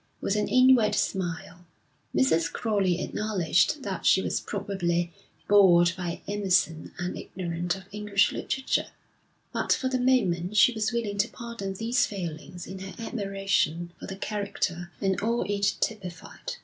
With an inward smile, Mrs. Crowley acknowledged that she was probably bored by Emerson and ignorant of English literature; but for the moment she was willing to pardon these failings in her admiration for the character and all it typified.